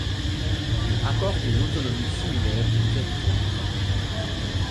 Il accorde une autonomie similaire aux territoires.